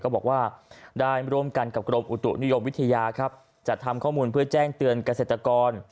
ก็บอกว่าได้ร่วมกันกับกรมอุตุนิยมวิทยาครับจัดทำข้อมูลเพื่อแจ้งเตือนเกษตรกร